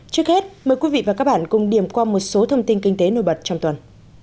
trước hết mời quý vị và các bạn cùng điểm qua một số thông tin kinh tế nổi bật trong tuần